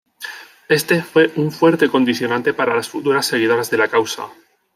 Éste fue un fuerte condicionante para las futuras seguidoras de la causa.